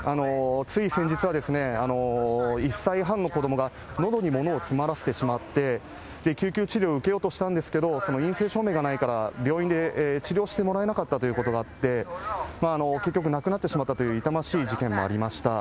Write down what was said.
つい先日はですね、１歳半の子どもがのどにものを詰まらせてしまって、救急治療を受けようとしたんですけれども、陰性証明がないから病院で治療してもらえなかったということがあって、結局亡くなってしまったという痛ましい事件もありました。